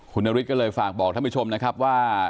คุณนฤทธิก็เลยฝากบอกท่านผู้ชมนะครับว่า